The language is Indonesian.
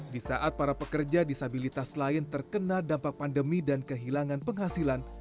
di saat para pekerja disabilitas lain terkena dampak pandemi dan kehilangan penghasilan